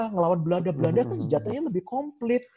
ngelawan belanda belanda kan senjatanya lebih komplit